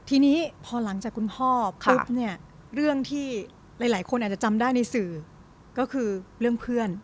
ทีนี้พอหลังจากคุณพ่อปุ๊บเนี่ยเรื่องที่หลายคนอาจจะจำได้ในสื่อก็คือเรื่องเพื่อน